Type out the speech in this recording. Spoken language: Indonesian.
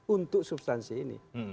untuk substansi ini